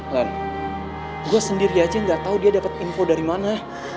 lan gue sendiri aja gak tau dia dapet info dari mana